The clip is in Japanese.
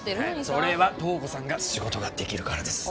それは塔子さんが仕事ができるからです